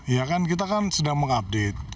ya kan kita kan sedang mengupdate